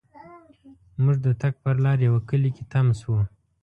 مونږ د تګ پر لار یوه کلي کې تم شوو.